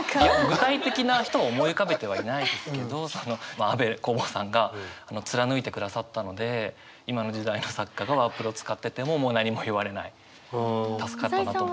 具体的な人を思い浮かべてはいないですけど安部公房さんが貫いてくださったので今の時代の作家がワープロ使ってても助かったなと。